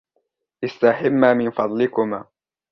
استحما من فضلكما.